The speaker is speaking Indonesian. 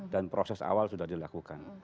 dan proses awal sudah dilakukan